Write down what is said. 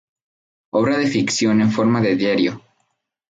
Obra de ficción en forma de diario.